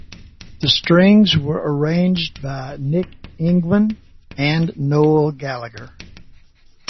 The strings were arranged by Nick Ingman and Noel Gallagher.